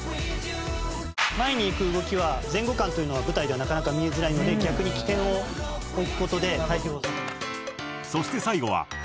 「前に行く動きは前後感というのは舞台ではなかなか見えづらいので逆に基点を置く事で対比を」